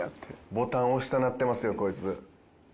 ボタン押したなってますよこいつ。